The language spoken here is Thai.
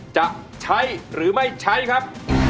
จะใช้หรือไม่ใช้ครับ